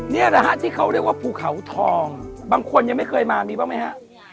นี่แหละฮะที่เขาเรียกว่าภูเขาทองบางคนยังไม่เคยมามีบ้างไหมฮะ